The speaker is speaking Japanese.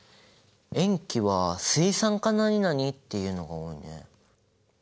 塩基は水酸化何々っていうのが多いね。